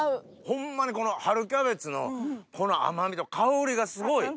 ホンマにこの春キャベツのこの甘みと香りがすごい。